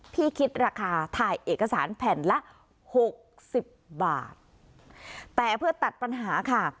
คิดราคาถ่ายเอกสารแผ่นละหกสิบบาทแต่เพื่อตัดปัญหาค่ะ